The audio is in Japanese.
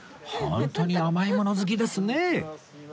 ホントに甘いもの好きですね